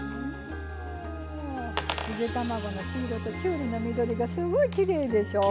ゆで卵の黄色ときゅうりの緑がすごいきれいでしょ。